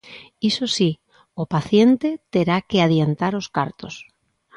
Iso si, o paciente terá que adiantar os cartos.